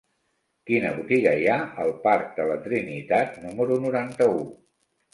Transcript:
Quina botiga hi ha al parc de la Trinitat número noranta-u?